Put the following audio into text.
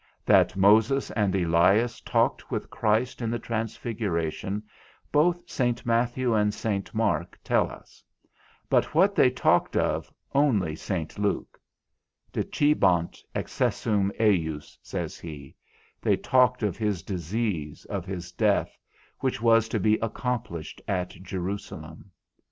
That Moses and Elias talked with Christ in the transfiguration, both Saint Matthew and Saint Mark tells us, but what they talked of, only Saint Luke; Dicebant excessum ejus, says he, They talked of his disease, of his death, which was to be accomplished at Jerusalem.